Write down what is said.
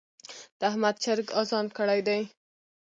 د احمد چرګ اذان کړی دی.